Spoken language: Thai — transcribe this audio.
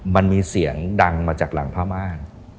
มันมีเสียงดังมาจากหลังผ้าม่าน